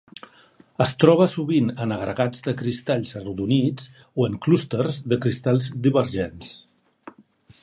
Es troba sovint en agregats de cristalls arrodonits o en clústers de cristall divergents.